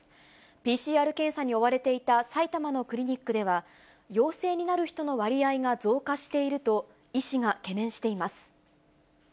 ＰＣＲ検査に追われていた埼玉のクリニックでは、陽性になる人の割合が増加していると、医師が懸念しています。